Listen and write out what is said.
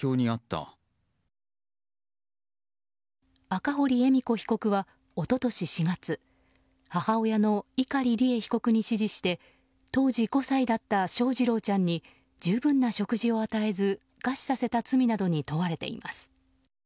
赤堀恵美子被告は一昨年４月母親の碇利恵被告に指示して当時５歳だった翔士郎ちゃんに十分な食事を与えず餓死させた罪などに問われています。